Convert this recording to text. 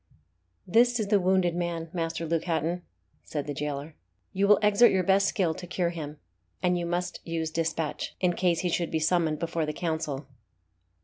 "This is the wounded man, Master Luke Hatton," said the jailer; "you will exert your best skill to cure him; and you must use dispatch, in case he should be summoned before the Council."